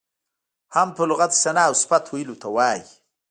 حمد په لغت کې ثنا او صفت ویلو ته وایي.